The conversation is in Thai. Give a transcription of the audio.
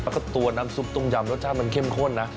แล้วก็ตัวน้ำซุปต้มยำรสชาติมันเข้มข้นนะ